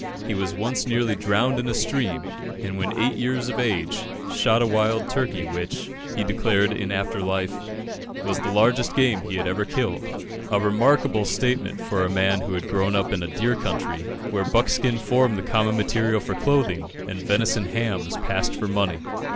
He was once nearly drowned in a stream, and when eight years of age shot a wild turkey, which, he declared in after life, was the largest game he had ever killed a remarkable statement for a man who had grown up in a deer country, where buck skin formed the common material for clothing, and venison hams passed for money.